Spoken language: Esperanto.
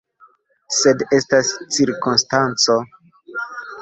Sed estas cirkonstanco.